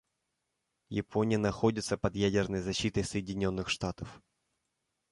Япония находится под ядерной защитой Соединенных Штатов.